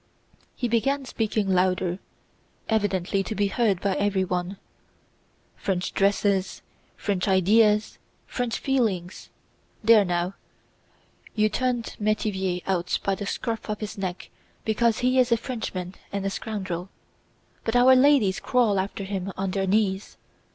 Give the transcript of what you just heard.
He began speaking louder, evidently to be heard by everyone. "French dresses, French ideas, French feelings! There now, you turned Métivier out by the scruff of his neck because he is a Frenchman and a scoundrel, but our ladies crawl after him on their knees.